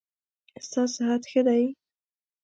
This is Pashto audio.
ستا صحت ښه دی؟